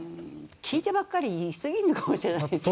聞いてばかりいすぎるのかもしれませんね。